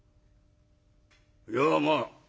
いやまあ